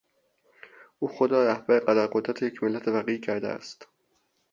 او خود را رهبر قدر قدرت یک ملت فقیر کرده است.